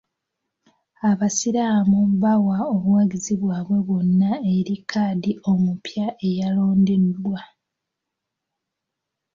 Abasiraamu bawa obuwagizi bwabwe bwonna eri kadhi omupya eyalondebwa.